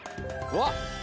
うわっ！